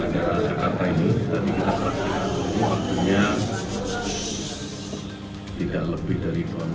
yang dilakukan di bandara tanah air